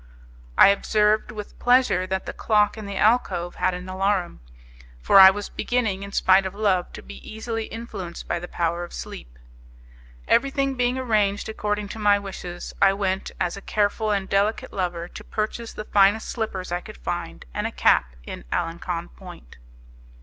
I observed with pleasure that the clock in the alcove had an alarum, for I was beginning, in spite of love, to be easily influenced by the power of sleep. Everything being arranged according to my wishes, I went, as a careful and delicate lover, to purchase the finest slippers I could find, and a cap in Alencon point.